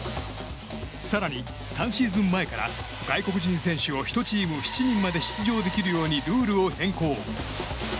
更に３シーズン前から外国人選手を１チーム７人まで出場できるようにルールを変更。